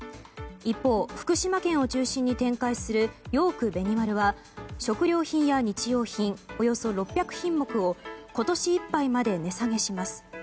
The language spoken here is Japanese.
一方、福島県を中心に展開するヨークベニマルは食料品や日用品およそ６００品目を今年いっぱいまで値下げします。